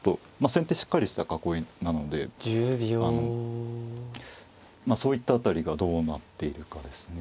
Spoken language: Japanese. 先手しっかりした囲いなのでそういった辺りがどうなっているかですね。